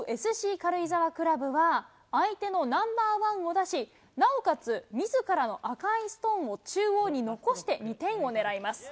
軽井沢クラブは、相手のナンバーワンを出し、なおかつ、みずからの赤いストーンを中央に残して２点を狙います。